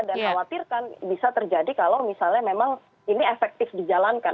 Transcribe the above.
dan khawatirkan bisa terjadi kalau misalnya memang ini efektif dijalankan